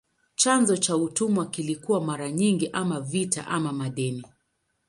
Chanzo cha utumwa kilikuwa mara nyingi ama vita ama madeni.